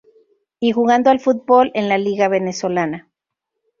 Y jugando al fútbol en la liga venezolana.